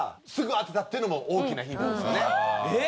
えっ？